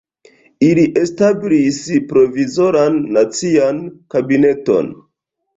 Ili establis Provizoran Nacian Kabineton.